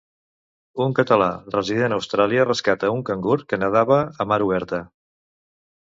Un català resident a Austràlia rescata un cangur que nedava a mar oberta.